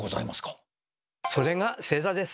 それが正座です。